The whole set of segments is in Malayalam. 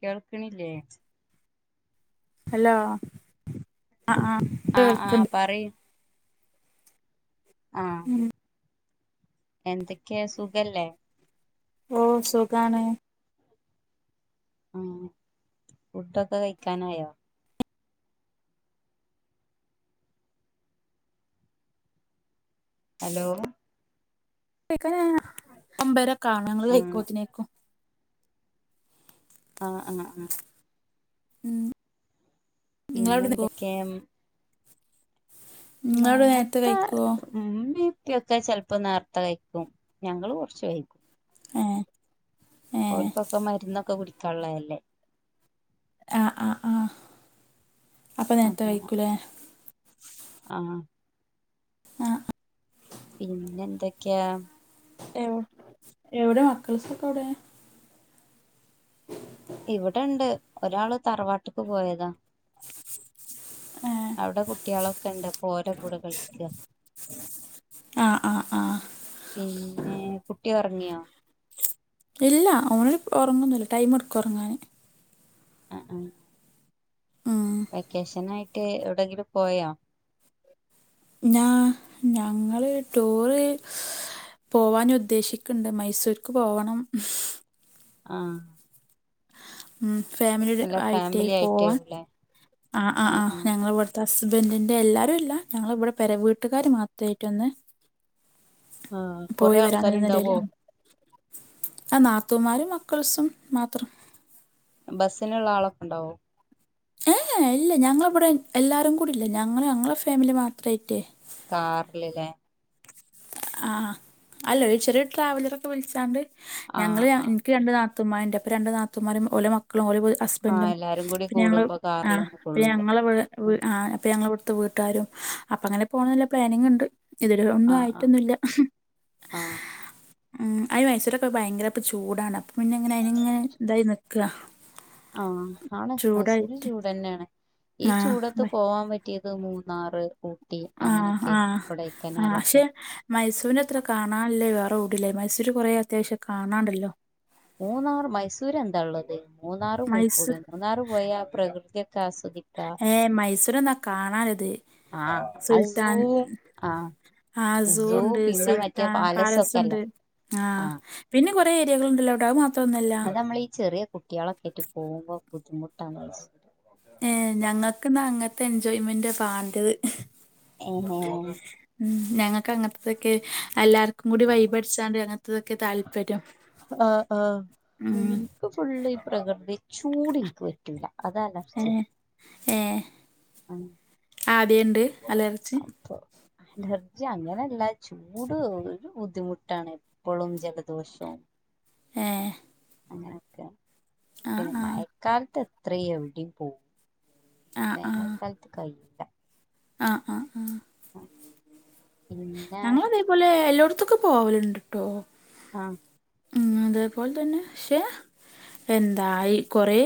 കേൾക്ക്‌ണില്ലേ ഹലോ ആഹ് ആഹ് ആഹ് ആഹ് പറയ് ആഹ് ഉം എന്തെക്കെ സുഖല്ലേ ഓഹ് സുഖാണ് ആഹ് ഫുഡൊക്കെ കയ്ക്കാനായോ ഹലോ കൈക്കാനായ ഒമ്പതരെക്കാവണം ഞങ്ങള് ആഹ് കഴിക്കുമ്പോത്തിനെയ് ആഹ് ആഹ് ആഹ് ഉം നിങ്ങളവിടെ പിന്നെന്തെക്കേം നിങ്ങളവിടെ നേരത്തെ നേർത്തേ കഴിക്കുവോ ഇമ്മീപ്പൊക്കെ ചെലപ്പോ നേർത്തെ കഴിക്കും ഞങ്ങള് കൊർച്ച് വൈകും ഏ ഏ ഓൽക്കൊക്കെ മര്ന്നൊക്കെ കുടിക്കാള്ളതല്ലേ ആഹ് ആഹ് ആ ഹ് അപ്പ നേര്ത്തെ അങ്ങനെ കഴിക്കൂലേ ആഹ് ആഹ് പിന്നെന്തെക്കെയാ എവ് എവ്ടെ മക്കൾസൊക്കെവ്ടെ ഇവടെണ്ട് ഒരാള് തറവാട്ട്ക്ക് പോയതാ അവടെ കുട്ട്യാളൊക്കെണ്ട്പ്പോ ഓലെ കൂടെ കളിക്കാ ആഹ് പിന്നെ കുട്ടി ഉറങ്ങിയോ? ഇല്ല ഒനോ ഉറങ്ങന്നുല്ല ടൈം എടുകും റങ്ങാൻ. അ അ ഉം വെക്കേഷനായിട്ട് എവിടെങ്കിലും പോയോ? ഞാ ഞങ്ങള് ടൂറ്. പോവാന് ഉദ്ദേശിക്കുണ്ട് മൈസൂർക്ക് പോവണം. ആഹ് ഉം ഫാമിലിയുടെ അല്ല ആയിട്ടേ ഫാമിലി പോവാൻ ആയിട്ടേവുല്ലേ ആ ആ ആഹ് ആ് ആഹ് ഞങ്ങവിടെ ഹസ്ബൻഡിന്റെ എല്ലാരും എല്ല ഞങ്ങൾ ഇവിടെ പേര വീട്ടുകാർ മാത്രമായിട്ട് ഒന്ന്. ആഹ് കൊറേ പോയി ആൾക്കാരുണ്ടാവോ വരാനില്ലയില് നാത്തൂമാരും മക്കൾസും മാത്രം. ബസ്സിനുള്ള ആളൊക്കെ ഉണ്ടാവോ? ഏ ഏ ഇല്ല ഞങ്ങളിവിടെ എല്ലാവരും കൂടി ഇല്ല ഞങ്ങൾ ഞങ്ങളെ ഫാമിലി മാത്രമായിട്ടേ. കാറിൽല്ലേ. ആ അല്ലോ ചെറിയ ട്രാവലറൊക്കെ വിളിച്ചാണ്ട് ഞങ്ങൾ. ആഹ് ആഹ് രണ്ട് നാതൂമാരുണ്ട്പ്പൊ രണ്ട് നാതൂമാര ഓലെ മക്കളും ഒ ആഹ് പ്പന്നും എല്ലാരും കൂടി പിന്നെ ഞങ്ങൾ കൂടുമ്പോ ആ കാറിലൊന്നും പിന്നെ കൊള്ളൂല ഞങ്ങള ഇവി ആഹ് ആ അപ്പൊ ഞങ്ങളവിടുതെ വീട്ടുകാരും അപ്പൊ അങ്ങനെ പോകണംന്നുള്ള പ്ലാനിങ് ഉണ്ട് ഇതിനോന്നും ആയി ആഹ് മൊന്നല്ല ആഹ് ഉം അ മയ്സൂരൊക്കെ ഭയങ്കര ഇപ്പ ചൂടാണ്പ്പോ പിന്നെങ്ങനെ അയിനി ഇങ്ങനെ ഇതായി നികാ. ആഹ് ആണ് മൈസൂര് ചൂട് തന്നെയാണ് ഈ ചൂടത്ത് ആഹ് പോവാൻ പറ്റി പറ്റിയത് മൂന്നാറ് ഊട്ടി ആഹ് അങ്ങനെയൊക്കെ കോ ടെ ക്കനാലൊക്കെ. മൈസൂരിനത്ര കാണാനില്ലേ വേറെ എവിടെയും ഇല്ല മൈസൂര് കുറേ അത്യാവശ്യം കാണാണ്ടല്ലോ. മൂന്നാർ മൈസൂർ എന്താ ഉള്ളത് മൂന്നാർ മൈസൂ പോയിക്കൂടെ. മൂന്നാറ് പോയാ പ്രകൃതിയൊക്കെ ആസ്വദിക്കാ. ഏഹ് മൈസൂർ എന്നാ കാണാൻ ഇളത്. ആഹ് അത് സൂ ആഹ് സു സൂ ഉണ്ട് പിന്നെ മറ്റേ സുൽത്താൻ പാലസ് പാലസൊക്കെല്ലേ ഉണ്ട് ആഹ്. പിനിം കുറെ എരിയകൾ ഉണ്ടല്ലോ അവിടെ അത് മാത്ര അത് നമ്മളീ ചെറിയ കുട്ടികളൊക്കെറ്റു പോകുമ്പോ ബുദ്ധിമുട്ടാ മൈസ് ഏ ഞങ്ങൾക്ക്ന്നാ അങ്ങനത്തെ എൻജോയ്മെന്റ് വാണ്ടത്. അ ഹ്. ഞങ്ങൾക്ക് അങ്ങനത്തതൊക്കെ എല്ലാർക്കും കൂടി വഴിബ്അഠിച്ചാണ്ട് അങ്ങനത്തതൊക്കെ താല്പര്യം. ആഹ് ആഹ്. ഉം എനിക്ക് ഫുള്ള് ഈ പ്രകൃതി ചൂട് എനിക്ക് പറ്റൂല്ല അത് അലർജി. ഏ. ആദ്യണ്ട് അലറജി. അപ്പൊ അലർജി അങ്ങനെയല്ല ചൂട് ഒരു ബുദ്ധിമുട്ടാണ്. എപ്പോഴും ജലദോഷവും. ഏ. അങ്ങനെയൊക്കെ പിന്നെ ആഹ് മഴക്കാലത്ത് എത്ര എവിടെയും പോവും. ആഹ് ആഹ് വേനാൽക്കാലത്ത് കയ്യൂല. ആഹ് ആഹ് ആഹ്. പിന്നെ. തുപോലെ എല്ലോടത്തക്കും പോവലുണ്ട് ട്ടോ. അഹ് ഉം അതേപോലെ തന്നെ പക്ഷെ എന്തായി കൊറേ.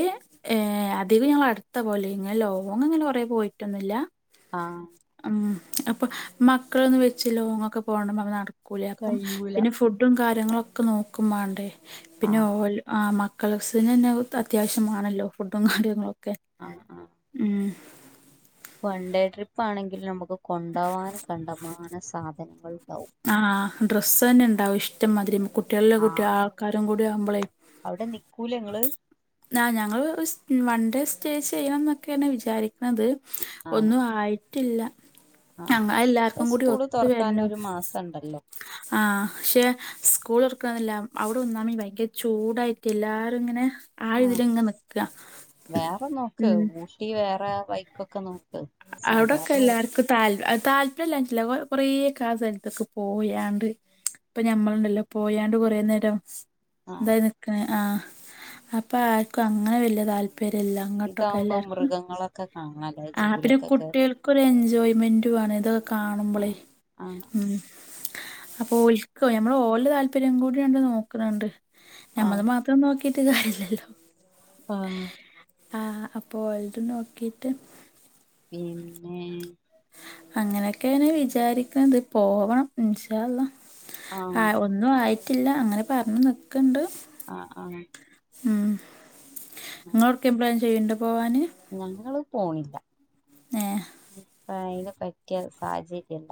ഏഹ് അതികും ഞാ വട്ത്ത പോലെ ഇങ്ങ ലോങ് അങ്ങനെ കൊറേ പോയിട്ടൊന്നുല്ല. ആഹ്. അപ്പം മക്കളൊന്ന് വെച്ച് ലോങ്ങൊക്കെ പോണത് നടക്. കുളിയപ്പം കഴിയൂല പിന്നെ ഫുഡും കാര്യങ്ങളൊക്കെ നോക്കും മാണ്ടേ പിന്നെ ആഹ് ഓല് ആ മ- ക്കളസിന് അത്യാവശ്യമാണല്ലോ ഫുഡും കാര്യങ്ങളൊക്കെ അഹ് അഹ് ഉം വൺ ഡേ ട്രിപ്പ് ആണെങ്കിലു നമക്ക് കൊണ്ടോവാന് കണ്ടമാനം സാധനങ്ങള് ഇണ്ടാവും. ആഹ് ഡ്രസ്സെന്നെ ഇണ്ടാവും ഇഷ്ടംമാതിരി കുട്ട്യേളി ല്ല കുട്ടി ആൾക്കാരും കൂടി ആകുമ്പളെ. ഔടെ നിക്കൂലെ ഇങ്ങള്. ആഹ് ഞങ്ങള് വൺ ഡേ സ്റ്റേ ചെയ്യെണ ന്നൊക്കേണ് വിചാരി- ന്നത് ആഹ് ഒന്നു ആയിട്ടില്ല അ ആഹ് എല്ലാർക്കും കൂടി ഒത്തു വര്ണം. കണ്ടല്ലോ ആഹ് പഷെ സ്കൂളൊറ്ക്ക്ണ്ന്ന്ല്ല അവിടെ ഒന്നാമ ഭയങ്കര ചൂടായിട്ട് എല്ലാരു ഇങ്ങനെ. ആ ആഹ് തിലിങ്ങ് നിക്ക ഉം ട്ടിവേറെ വൈക്കൊക്കെ നോ- ഔടൊക്കെ എല്ലാർക്കു താല് താല്പര്യംല്ലാഞ്ഞിറ്റല്ല കൊറേക്കെ ആ സ്ഥലത്ത്ക്ക് പോയാണ്ട്. ഇപ്പ ഞമ്മള്ണ്ടല്ലോ പോയാണ്ട് കൊറേ നേരം ആഹ് ഇതായി നിക്ക്ണ് ആഹ് അപ്പൊ ആർക്കും അങ്ങനെ വല്യ താൽ- പെരല്ല അങ്ങട്ടൊക്കെല്ലാർക്കും ക്കെ കാണൽ ആ പിന്നെ കുട്ട്യേൾക്കൊരു എൻജോയ്മെന്റ് വേണം. ഇതൊക്കെ കാണുമ്പളേ ആഹ് ആഹ് ഉം. അപ്പൊ ഒൽക്കൊ ഞമ്മള് ഓലെ താല്പര്യം കൂടിങ്ങട്ട് നോക്ക്ണ് ഇണ്ട് ആഹ് ഞമ്മള് മാത്രം നോക്കീട്ട് കാര്യ ഇല്ലല്ലോ ആഹ് ആഹ് അപ്പോ ഓല്ത് നോക്കീട്ട് ഇന്നെ ഏഹ് അങ്ങനൊക്കേണ് വിചാരിക്ക്ണത്. പോവണം ഇൻശാ അല്ലാഹ് ആഹ് ഒന്നു ആയിട്ടില്ല അങ്ങനെ പറഞ് നിക്ക്ണ്ട്. ആഹ് അഹ് ഉം ഇങ്ങളൊട്ക്കേ പ്ലാൻ ചെയ്യുണ്ടോ പോവാന്. ഞങ്ങള് പോണ്ല്ല. ഏ ഇപയിന് പറ്റ്യ സാഹചര്യല്ല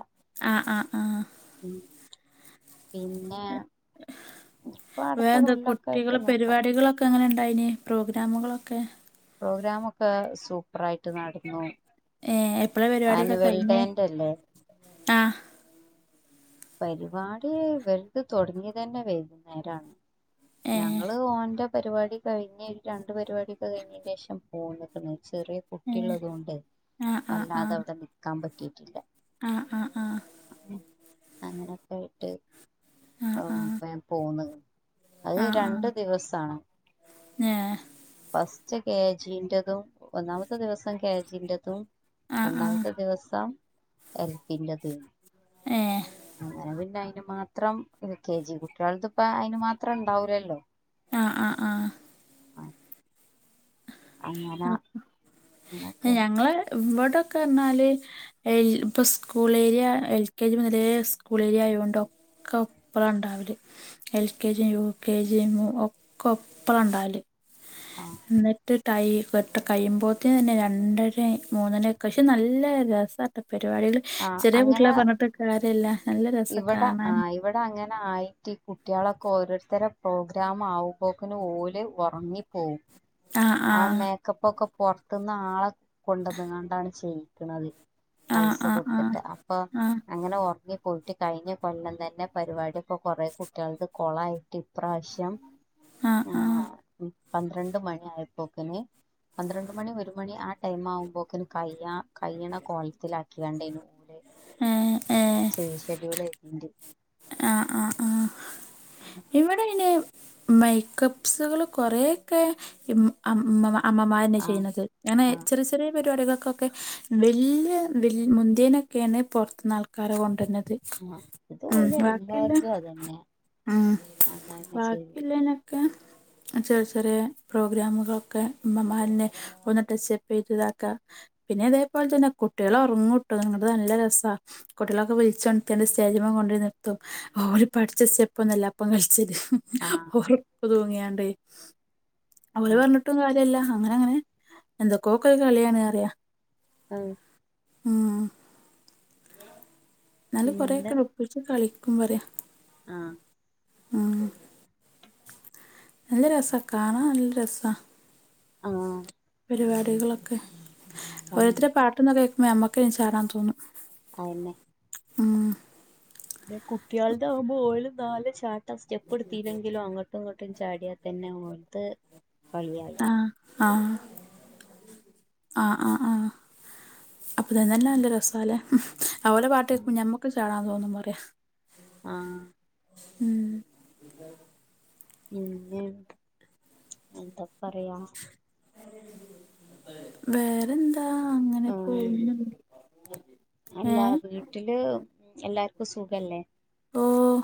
ആഹ് ആഹ് ആഹ് ഉം പിന്നെ ഇപ്പൊ അടുത്ത വേന്ത കൊല്ലൊക്കെ ആയിട്ട് കുട്ടികളെ നോക്കാം പരിപാടികളൊക്കെ എങ്ങനെണ്ടായിനി പ്രോഗ്രാമുകളൊക്കെ പ്രോഗ്രാമൊക്കെ സൂപ്പറായിട്ട് നട്ന്നു. ഏ എപ്പളാ ആനുവൽ ഡേന്റെല്ലേ ആഹ് പരിപാടി ഇവൽത് തൊടങ്ങിയ തന്നെ വൈകുന്നേരാണ് ഏ ഞങ്ങള് ഓന്റ പ് പരിപാടി കഴിഞ് രണ്ട് പരിപാട്യാെക്കെ കഴിഞ്ഞേന്റേഷം പോന്ന്ക്ക്ണ് ചെറിയ. ഏ കുട്ടിള്ളതോണ്ട് ആ വല്ലാതെ അവിടെ നിക്കാൻ പറ്റീട്ടില്ല. ആഹ് ആഹ് ആഹ് അങ്ങനൊക്കായിട്ട് ആ വേം പോന്ന്ക്ക്ണ് അത് ആ ആ ആ രണ്ട് ദിവസാണ് ഏ ഫസ്റ്റ് കെജിൻ്റെതും ഒന്നാമത്തെ ദിവസം കെജിൻ്റെതും. ആ ആ രണ്ടാമത്തെ ദിവസം എൽപ്പിൻ്റെതും ഏനി. ഏഹ്. അങ്ങനെ പിന്നെ അയിന് മാത്രം കെ ജി കുട്ടിയാള്ത് പ്പ അയിന് മാത്രം ണ്ടാവൂലല്ലോ. ആഹ് ആഹ് ആഹ് അങ്ങനെ ആഹ് അങ്ങനൊക്കെ ഞങ്ങള് ഇവടൊക്കർഞാല് എൽ ഇപ്പ school area L K G മുതലേ സ്കൂൾ ഏരിയ ആയോണ്ടോ. ക്കൊപ്പളാ ണ്ടാവൽ L K gym U K gym ഒക്കെ ഒപ്പളാ ണ്ടാവല് ആ ന്ന് ടൈ പത്ത കയ്യുമ്പോത്തിനെന്നെ രണ്ടരേ മൂന്നണിയൊക്കെ ക്ഷെ നല്ല രസട്ട പരിപാടിയൾ ആ ചെറിയ കുട്ട്യാള പർഞ്ഞിട്ട് കാര്യല്ല. നല്ല രസാ ഇവടെ കാണാൻ ആയു ഇവടെ അങ്ങനെ ആയിട്ട് കുട്ട്യളൊക്കെ ഓരോര്ത്തരെ പ്രോഗ്രാം ആവുമ്പോക്കിന് ഓല് ഒറങ്ങി പോവും ആഹ് ആ ആഹ് മേക്കപ്പൊക്കെ പൊർത്ത്ന്ന് ആളെ കൊണ്ടന്ന്കാണ്ടാണ് ചെയ്യിക്കണത്. ആഹ് പൈസ ആഹ് കൊട്ത്തിട്ട് അപ്പൊ ആഹ് അങ്ങനെ ഒർങ്ങി കഴിഞ്ഞ കൊല്ലം തന്നെ പരിപാടി ഒക്കെ കൊറേ കുട്ട്യള്ത് കൊളായിട്ട് ഇപ്രാവശ്യം ആഹ് ആഹ് ആഹ് പന്ത്രണ്ട് മണി ആയപ്പൊക്കിന് പന്ത്രണ്ട് മണി ഒരു മണി ആ ടൈം ആകുമ്പോക്കന് കയ്യ കയ്യണ കോല്ത്തിലാക്കികാണ്ടെനു ഏഹ് ഷെയ് ഷെഡ്യൂൾ ണ്ട് ആഹ് ആഹ് ആഹ് ആഹ് ഇവടെ അയിന് മേക്കപ്സുകൾ കൊറേക്കെ ഇം അം മ്മ മാ അമ്മമാരന്നെ ആഹ് ചെയ്യ്ന്നത് ഞാനെ ചെറു ചെറ്യേ പരിപാടികക്കൊക്കെ വല്യ വെ മുന്തിയേനക്കെണ് പൊർത്ത്ന്ന് ആൾക്കാരെ കൊണ്ടര്ണത്. ആഹ് ഇത് ഉം ഓല് വാക്കില്ല എല്ലാര്തും അതന്നെ ഉം അങ്ങനെ ചെയ്യും വാക്കില്ലേനൊക്കെ ചെറി ചെറിയേ പ്രോഗ്രാമുകളൊക്കെ ഇമ്മമാരന്നെ ഒന്ന് ടച്ചപ്പെയ്താക്ക പിന്നെ അതേപോലെ തന്നെ കുട്ട്യാൾ ഒർങ്ങു ട്ടോ ന്നട്ട് നല്ല രസ കുട്ട്യളൊക്കെ വ്ള്ച്ചോണ്ത്തിയാണ്ട് സ്റ്റേജ്മെ കൊ നിർത്തും ഓര് പഠിച്ച സ്റ്റെപ് ഒന്നുല്ല അപ്പം കൾച്ചല് ഓർ ആഹ് ക്ക് തൂങ്ങിയാണ്ടേ ഓലെ ആഹ് പർഞ്ഞ്ട്ടും കാര്യല്ല അങ്ങനെ ങ്ങനെ എന്തക്കൊക്കെ കളിയാണ് അറിയ ആഹ് ആഹ് ന്നാലും കൊറെക്കെ പിന്നെ പ്പിച്ചു കളിക്കും പറ്യ. ആഹ് ആഹ് നല്ല രസ കാണാ നല്ല രസാ ആഹ് പരിപാടികളൊക്കെ ആഹ് ഓരോര്ത്തരെ പാട്ടൊന്നു കേക്കുമ്പോ ഞമ്മക്കെന്നെ ചാടാൻ തോന്നും. അഹന്നെ ആഹ് [unintelligible] കുട്ട്യാളത് ആവുമ്പോ ഓല് നാല് ചാട്ടം സ്റ്റെപ്പ് എട്ത്തില്ലെങ്കിലും അങ്ങട്ടും ങ്ങ ട്ടും ചാടിയാ തന്നെ ഓൽത് കളിയായി. ആഹ് ആഹ് ആഹ് ആഹ് ആഹ് അപ്പ തന്നെ ന്നെ നല്ല രസാല്ലേ ഓലെ പാട്ടേക്കു ഞമ്മക്ക് ചാടാ തോന്നും പറ്യ. ആഹ് ഉം പിന്നെ എന്താ പറയാ. വേറെന്താ അങ്ങനെ ആഹ് [unintelligible] അല്ല ഏഹ്? വീട്ട്ല് എല്ലാർക്കും സുഖല്ലേ? ഓഹ്.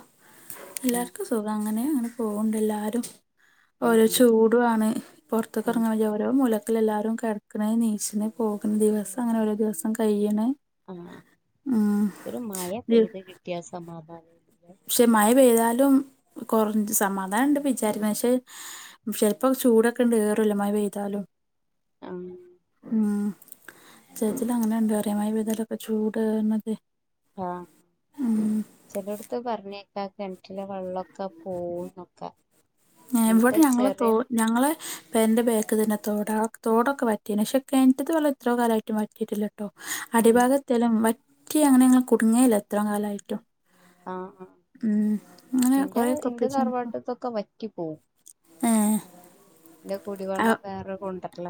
ഉം എല്ലാർക്കും സുഖ അങ്ങനെ ങ്ങനെ പോവ്ണ്ട് എല്ലാരും. ആഹ് ഒരോ ആഹ് ചൂടു ആണ് പൊർത്ക്ക് ആഹ് എർങ്ങാൻ വയ്യ ഓരോ മൂല ക്കളെല്ലാരും കെടക്കണ് നീച്ച്ണ് പോകണ് ദിവസം അങ്ങനെ ഓരോ ദിവസം കയ്യണ് ആഹ് ഒരു മഴ പെയ്ത് കിട്ട്യാ സമാധാനം പക്ഷെ മഴ പെയ്താലും കൊറ സമാധാനണ്ട് വിചാരിക്കണ് പക്ഷെ ചെൽപ്പോ ചൂടൊക്കെണ്ട് ഏറുവല്ലോ മഴപെയ്താലും അം ഉം ചേച്ചല് അങ്ങനെണ്ട്റ മഴപെയ്താലൊക്കെ ചൂട് ആഹ് ചെലോട്ത്ത് പർഞ്ഞേക്കാ കെൻറ്റിലെവെള്ളൊക്കെ പോവൂനൊക്കെ ഇവിടെ ഞങ്ങള് തോ ഞങ്ങള് പെര്ൻ്റെ ബേക്ക് തന്നെ തോടാ തോടൊക്കെ വറ്റിനെ ക്ഷെ കെൻറ്റ്തവെള്ള ഇത്രോ കാലായിട്ടും വറ്റിട്ടില്ല ട്ടൊ ആഹ് അടിഭാഗത്തിയാലും വറ്റി അങ്ങനെങ്ങ കുടുങ്ങേല്ല ഇത്രോംകാലായിട്ടും ആഹ് ആഹ് ഉം അങ്ങനെ കൊറെയൊക്കെ ഒപ്പിച്ചണ്ട് പോവും ക്കെ വറ്റിപ്പോവും ഏഹ് ന്റെ കുടിവെള്ളം വേറെ കൊണ്ടർല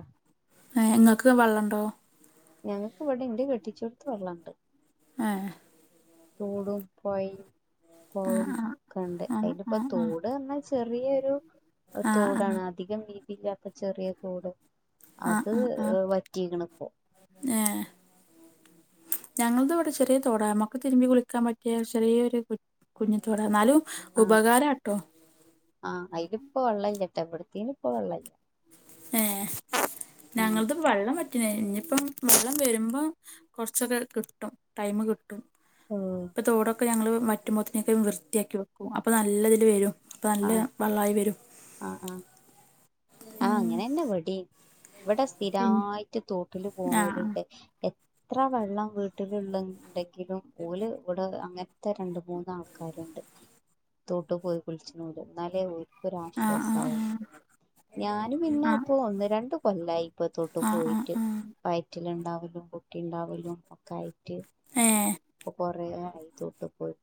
ഏഹ് ഇങ്ങക്ക്‌ വെള്ളണ്ടോ ഞങ്ങക്ക് ഇവിടെ ഇന്റെ കെട്ടിചോട്ത്ത് വെള്ളണ്ട് ഏഹ് തോടും പൊയിം കോളോം ആഹ് ക്കെണ്ട് ആഹ് അയിലിപ്പ ആഹ് ആഹ് തോട് എന്നാ ചെറിയൊരു ആഹ് തോടാണ് ആഹ് അധികം വീതില്ലാത്ത ചെറിയതോട് ആഹ് അത് ആഹ് ആഹ് ആഹ് വറ്റിക്കണ് പ്പോ ഏഹ് ഞങ്ങൾത്വ്ടെ ചെറിയ തൊടാ നമ്മക്ക് തിരുമ്പി കുളിക്കാൻ പറ്റിയ ചെറിയൊരു കു കുഞ്ഞിത്തോട ന്നാലും ഉപകാരാട്ടോ ആ അയിലിപ്പൊ വെള്ളല്ലട്ടോ ഇവിടത്തേൽപ്പോ വെള്ളല്ല ഏഹ് ആഹ് ഞങ്ങൾതും വെള്ളംവറ്റ്ണെ ഇനിപ്പം വെള്ളം വെരുമ്പോ കൊർച്ചൊക്കെ കിട്ടും ടൈമ്കിട്ടും ആഹ് തോടൊക്കെ ഞങ്ങള് വറ്റുമോത്തിനേക്ക്‌ വൃത്തിയാക്കി വെക്കും അപ്പൊ നല്ലതില് വെരും. അപ്പ നല്ല വെള്ളായിവെരും ആഹ് ആഹ് ആ ഉം അങ്ങനെന്നെ വെടിം ഇവിടെ പിൻ സ്ഥിരായിട്ട് തോട്ടില് ആഹ് പോണൊരുണ്ട് എ ത്ര വെള്ളം വീട്ടിലുള്ളണ്ടെ ങ്കിലും ഓല് ഇവിടെ അങ്ങൻത്തെ രണ്ട് മൂന്ന് ആൾക്കാര്ണ്ട് തോട്ടു പോയി കുളിചുനൊരു എന്നാലേ ഓൽക്കൊരു ആഹ് ആഹ് ആശ്വാസാവൂ ഞാന് പിന്നെ ആഹ് ഇപ്പൊ ഒന്നുരണ്ടുകൊല്ലായി ഇപ്പെ തൊട്ടു ആഹ് ആഹ് ആഹ് ആഹ് പോയിട്ട് ആഹ് വൈറ്റിലുണ്ടാവുന്ന മുൻപ് ട്ടിണ്ടാവലും ഒക്കെ ആയിട്ടു ഏഹ് ഇപ്പൊ കൊറേ ആയി തോട്ട്പോയി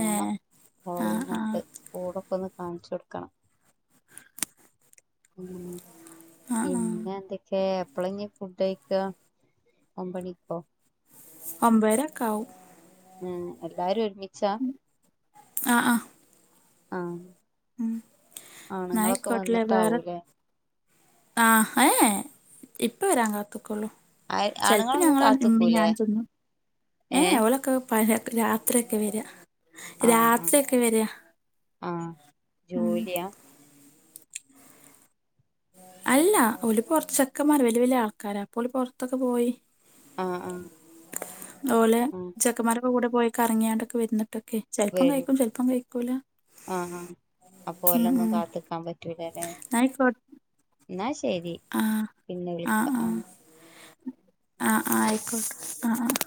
ഏ ആഹ് ആഹ് ഓളികൊണ്ട് ഓടൊക്കെന്ന് കാണിച്ചൊടുക്കണം. ഉം ആഹ് ആഹ് പിന്നെന്തെ എപ്പളെഞ്ഞി ഫുഡഴിക്ക ഒമ്പണിക്കോ ഒമ്പേരകാവും ഉം എല്ലാരുഒരുമിച്ച ആഹ് ആഹ് ആഹ് ഉം ആണുങ്ങളൊക്കെ ന്നായിക്കോട്ട്ലെ വന്നിട്ടാവൂലേ ആ യേ യേ ഇപ്പവരാൻ കാത്ത്ക്കൊള്ളൂ ആഹ് ചെൽപ ആണുങ്ങളൊന്നും ഞങ്ങള കാത്ത്ക്കൂലേ ഇമ്മിഞാനും തിന്നും ഏ ഏഹ് ഏ ഓലൊക്കെ പരക് രാത്രിയൊകെവെര ആഹ് ആഹ് ആഹ് ഉം ജോലിയാ അല്ല ഒല് പൊർ ച്ചക്കെമ്മാരാ വല്ല്യ വല്ല്യ ആൾക്കാര അപ്പൊ പൊർത്തൊക്കെപോയി ആഹ് ആഹ് ഓല് ആഹ് ചെ ക്കമാരൊക്കെ കൂടെ പോയി കറങ്ങിയോഡോ ക്കെ വരുന്നിട്ടൊക്കെ. വരും ആആ അപ്പോലൊന്നും കാത്തിക്കാൻ പറ്റൂലല്ലേ. ആയിക്കോട്ടെ. ന്നാ ശെരി ആഹ് ആഹ് ആഹ് ആഹ് ആഹ് ആയിക്കോട്ടെ ആഹ് ആഹ്